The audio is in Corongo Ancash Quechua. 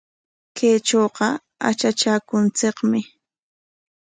Kaytrawqa atratraakunchikmi .